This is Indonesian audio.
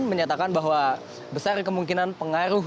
menyatakan bahwa besar kemungkinan pengaruh